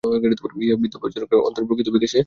ইহা বিদ্যা বা বিচারে নাই, অন্তরের প্রকৃত বিকাশে নিহিত।